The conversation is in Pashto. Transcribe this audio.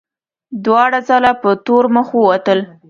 دواړه ځله په تور مخ ووتل.